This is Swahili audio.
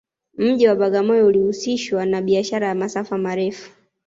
mji wa bagamoyo ulihusishwa na biashara ya masafa marefu